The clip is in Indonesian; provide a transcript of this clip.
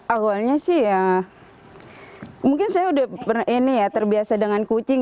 awalnya sih ya mungkin saya udah terbiasa dengan kucing